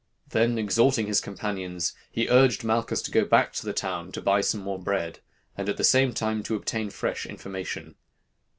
Then exhorting his companions, he urged Malchus to go back to the town to buy some more bread, and at the same time to obtain fresh information.